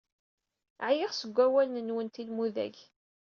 Ɛyiɣ seg wawalen-nwent inmudag.